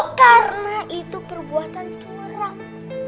karena itu perbuatan curang